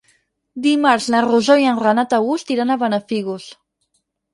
Dimarts na Rosó i en Renat August iran a Benafigos.